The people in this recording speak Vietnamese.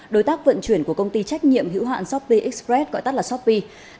đối tác vận chuyển của công ty trách nhiệm hữu hạn shopee express gọi tắt là shopee